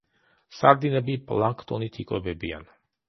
სარდინები პლანქტონით იკვებებიან.